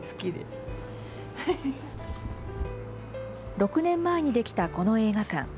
６年前に出来たこの映画館。